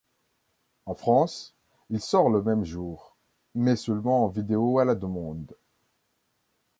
En France, il sort le même jour, mais seulement en vidéo à la demande.